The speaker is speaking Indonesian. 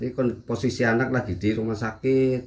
ini posisi anak lagi di rumah sakit